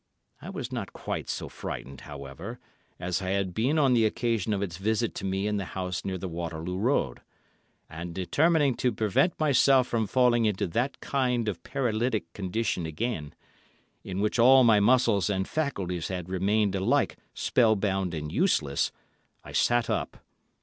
I was not quite so frightened, however, as I had been on the occasion of its visit to me in the house near the Waterloo Road, and determining to prevent myself from falling into that kind of paralytic condition again, in which all my muscles and faculties had remained alike spell bound and useless, I sat up.